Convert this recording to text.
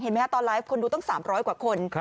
เห็นไหมฮะตอนไลฟ์คนดูต้อง๓๐๐กว่าคน